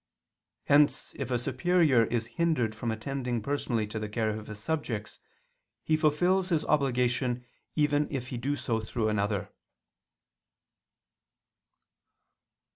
Hence if a superior is hindered from attending personally to the care of his subjects, he fulfils his obligation if he do so through another.